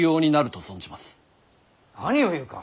何を言うか。